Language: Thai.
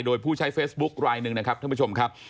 โดยผู้ใช้เฟซบุ๊คลายหนึ่งนะครับท่านผู้ชมครับ